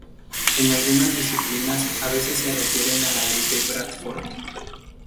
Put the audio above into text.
En algunas disciplinas a veces se refieren a la ley de Bradford.